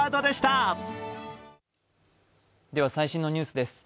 最新のニュースです。